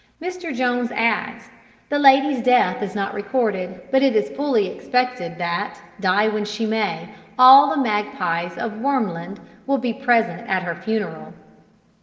Mr. Jones adds: "The lady's death is not recorded; but it is fully expected that, die when she may, all the magpies of Wermland will be present at her funeral."